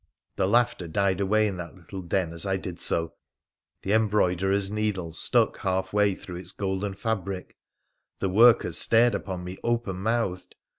The laughter died away in that little den as I did so, the embroiderer's needle stuck halfway through its golden fabric, the workers stared upon me open mouthed.